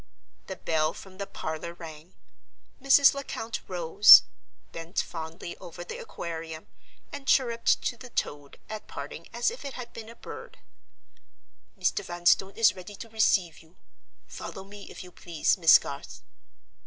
The bell from the parlor rang. Mrs. Lecount rose, bent fondly over the Aquarium, and chirruped to the toad at parting as if it had been a bird. "Mr. Vanstone is ready to receive you. Follow me, if you please, Miss Garth."